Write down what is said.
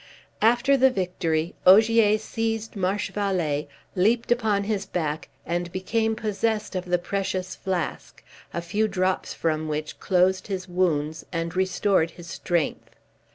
After the victory, Ogier seized Marchevallee, leaped upon his back, and became possessed of the precious flask, a few drops from which closed his wounds and restored his strength.